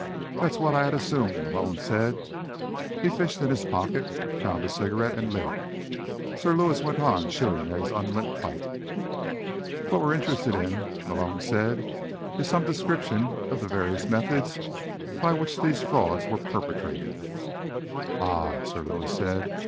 "That's what I'd assume," Malone said. He fished in his pockets, found a cigarette and lit it. Sir Lewis went on chewing at his unlit pipe. "What we're interested in," Malone said, "is some description of the various methods by which these frauds were perpetrated." "Ah," Sir Lewis said.